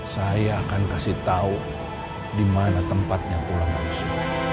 saya akan kasih tau di mana tempatnya tulang rusuk